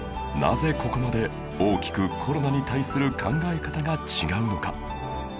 なぜここまで大きくコロナに対する考え方が違うのか？